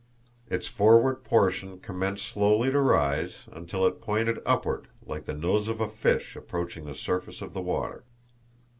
Its forward portion commenced slowly to rise, until it pointed upward like the nose of a fish approaching the surface of the water.